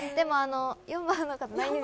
４番の方は。